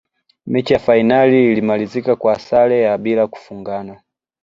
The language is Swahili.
mechi ya fainali ilimalizika kwa sare ya bila kufungana